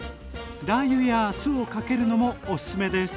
ラー油や酢をかけるのもおすすめです。